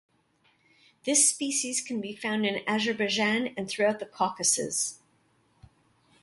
This species can be found in Azerbaijan and throughout the Caucasus.